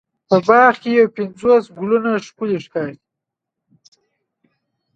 په باغ کې یو پنځوس ګلونه ښکلې ښکاري.